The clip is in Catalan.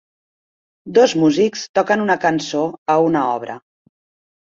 Dos músics toquen una cançó a una obra.